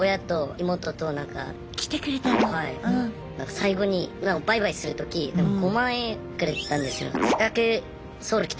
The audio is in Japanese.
最後にバイバイする時５万円くれたんですよ。